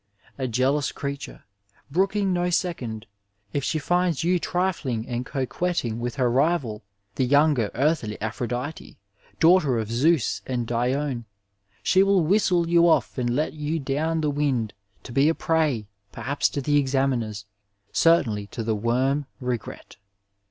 A jealous creature, 881 Digitized by VjOOQIC THE MASTER WORD IN MEDICINE brooking no second, if she finds you tiifling and coquetting with her rival, the younger, earthly Aphiodite, daughter of Zeus and Dione, she will whistle you oS and let you down the wind to be a prey, perhaps to the examiners, certainly to the worm regret.